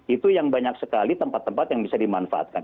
itu yang banyak sekali tempat tempat yang bisa dimanfaatkan